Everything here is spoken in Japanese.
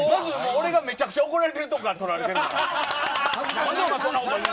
俺がめちゃくちゃ怒られてるところが撮られてる。